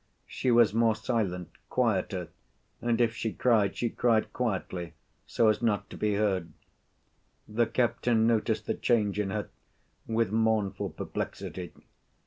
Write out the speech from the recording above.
She was more silent, quieter, and, if she cried, she cried quietly so as not to be heard. The captain noticed the change in her with mournful perplexity.